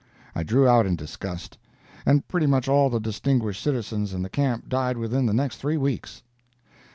I drew out in disgust, and pretty much all the distinguished citizens in the camp died within the next three weeks.